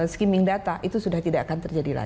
skimming data itu sudah tidak akan terjadi